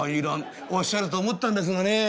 「おっしゃると思ったんですがね。